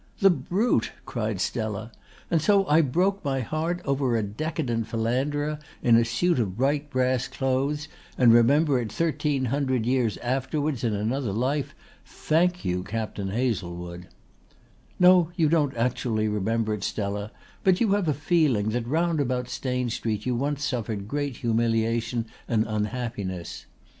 "The brute," cried Stella. "And so I broke my heart over a decadent philanderer in a suit of bright brass clothes and remember it thirteen hundred years afterwards in another life! Thank you, Captain Hazlewood!" "No, you don't actually remember it, Stella, but you have a feeling that round about Stane Street you once suffered great humiliation and unhappiness."